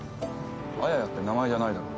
アヤヤって名前じゃないだろ？